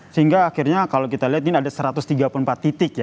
sehingga akhirnya kalau kita lihat ini ada satu ratus tiga puluh empat titik ya